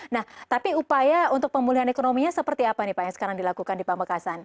nah tapi upaya untuk pemulihan ekonominya seperti apa nih pak yang sekarang dilakukan di pamekasan